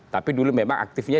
tapi dulu memang aktifnya